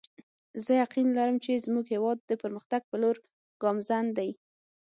زه یقین لرم چې زموږ هیواد د پرمختګ په لور ګامزن دی